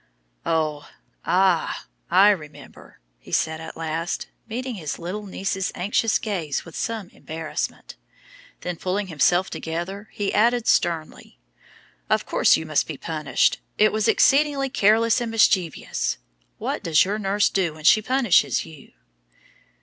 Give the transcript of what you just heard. "Oh! ah! I remember," he said at length, meeting his little niece's anxious gaze with some embarrassment. Then pulling himself together, he added sternly, "Of course you must be punished; it was exceedingly careless and mischievous. What does your nurse do when she punishes you?"